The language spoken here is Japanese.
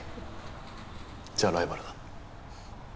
じゃあライバルだ。